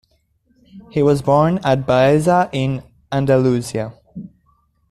He was born at Baeza in Andalusia.